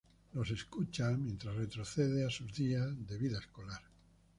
Los escucha mientras retrocede a sus días de vida escolar.